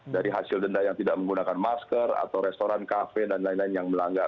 dari hasil denda yang tidak menggunakan masker atau restoran kafe dan lain lain yang melanggar